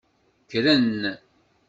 Kkren.